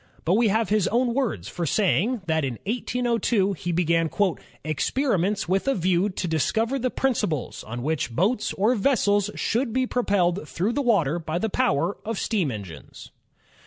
But we have his own words for saying that in 1802 he began "experiments with a view to discover the principles on which boats or vessels should be propelled through the water by the power of steam engines."